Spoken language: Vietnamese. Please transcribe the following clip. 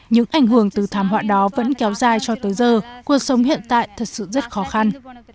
những ảnh hưởng từ thảm họa đó vẫn kéo dài cho tới giờ cuộc sống hiện tại thật sự rất khó khăn